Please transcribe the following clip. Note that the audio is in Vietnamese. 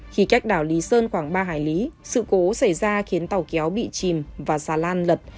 khi cách đảo lý sơn khoảng ba hải lý sự cố xảy ra khiến tàu kéo bị chìm và xà lan lật